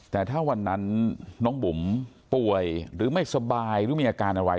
แต่ถ้าวันนั้นน้องบุ๋มป่วยหรือไม่สบายหรือมีอาการอะไร